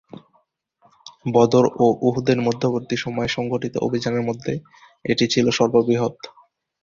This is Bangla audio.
বদর ও উহুদের মধ্যবর্তী সময়ে সংঘটিত অভিযানের মধ্যে এটি ছিল সর্ববৃহৎ।